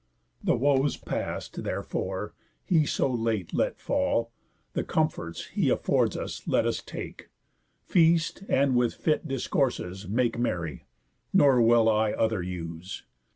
The woes past, therefore, he so late let fall, The comforts he affords us let us take; Feast, and, with fit discourses, merry make. Nor will I other use.